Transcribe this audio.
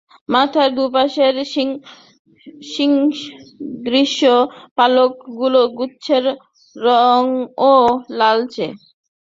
মাথার দুপাশের শিংসদৃশ পালকগুচ্ছের রংও লালচে।